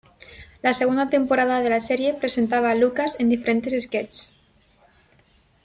La segunda temporada de la serie presentaba a Lucas en diferentes sketchs.